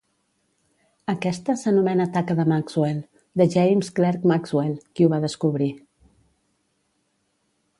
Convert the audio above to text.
Aquesta s'anomena taca de Maxwell, de James Clerk Maxwell, qui ho va descobrir.